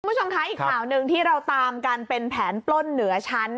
อีกข่าวหนึ่งที่เราตามการเป็นแผนปล้นเหนือชั้น